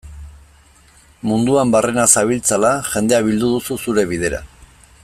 Munduan barrena zabiltzala, jendea bildu duzu zure bidera.